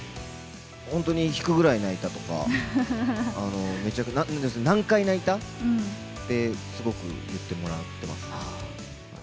本当に引くぐらい泣いたとか、何回泣いたってすごく言ってもらってますね。